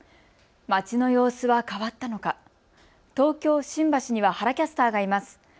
街の様子は変わったのか、東京新橋には原キャスターがいます。